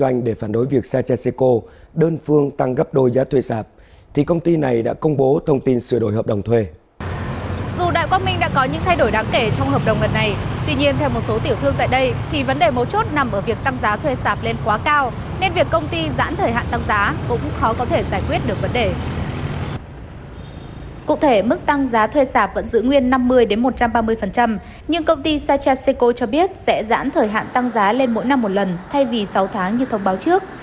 nhưng công ty sacha seco cho biết sẽ giãn thời hạn tăng giá lên mỗi năm một lần thay vì sáu tháng như thông báo trước